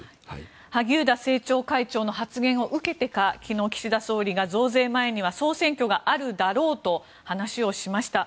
萩生田政調会長の発言を受けてか昨日、岸田総理が増税前には総選挙があるだろうと話をしました。